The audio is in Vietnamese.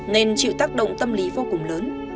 nên chịu tác động tâm lý vô cùng lớn